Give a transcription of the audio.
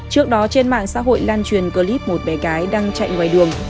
trước đó trên mạng xã hội lan truyền clip một bé gái đang chạy ngoài đường